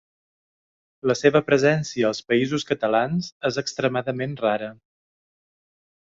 La seva presència als Països Catalans és extremadament rara.